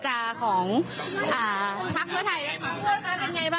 ครับครับ